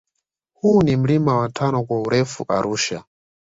Huu ni mlima wa tano kwa urefu Arusha